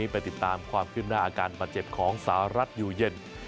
ไปติดตามความขึ้นหน้าอาการบาดเจ็บของสหรัฐอยู่เย็น